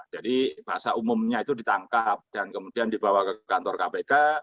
jadi bahasa umumnya itu ditangkap dan kemudian dibawa ke kantor kpk